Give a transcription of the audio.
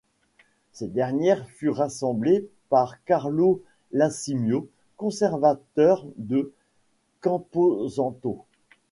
Ces dernières furent rassemblées par Carlo Lasimio, conservateur du Camposanto.